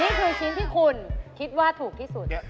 นี่คือชิ้นที่คุณคิดว่าถูกที่สุด